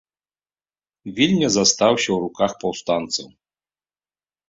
Вільня застаўся ў руках паўстанцаў.